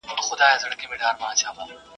په کور کي لس ايله کي چرگان ښه دي، نه يو نسواري.